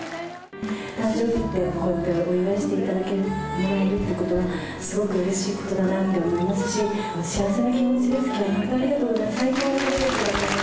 誕生日って、こうやってお祝いしてもらえるってことはすごくうれしいことだなって思いますし、幸せな気持ちです、きょうは本当にありがとうございます。